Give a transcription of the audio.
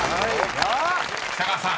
［北川さん